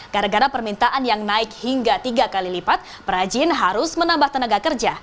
gara gara permintaan yang naik hingga tiga kali lipat perajin harus menambah tenaga kerja